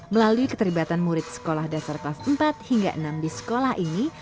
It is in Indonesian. melalui keterlibatan murid sekolah dasar kelas empat hingga enam di sekolah ini